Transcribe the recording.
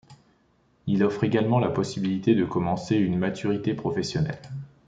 Il offre également la possibilité de commencer une maturité professionnelle.